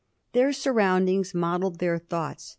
Their surroundings modelled their thoughts.